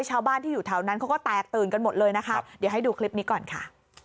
ชาวบ้านที่อยู่แถวนั้นเขาก็แตกตื่นกันหมดเลยนะคะเดี๋ยวให้ดูคลิปนี้ก่อนค่ะ